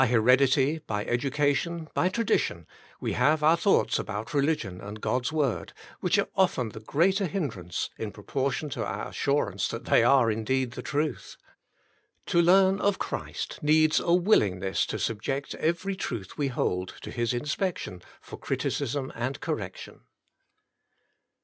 By heredity, by education, by tradition, we have our thoughts about religion and God's Word, which are often the greater hindrance in proportion to our assurance that they are indeed the truth. To learn of Christ needs a willingness to subject every truth we hold to His inspection for criticism and correction.